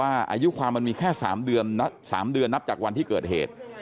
อายุความมันมีแค่๓เดือนนับจากวันที่เกิดเหตุ